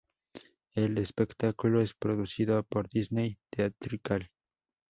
El espectáculo es producido por Disney Theatrical.